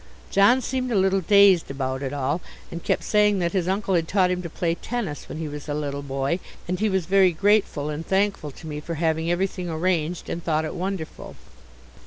John seemed a little dazed about it all, and kept saying that his uncle had taught him to play tennis when he was a little boy, and he was very grateful and thankful to me for having everything arranged, and thought it wonderful.